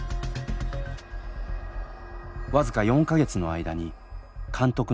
僅か４か月の間に監督の交代が３回。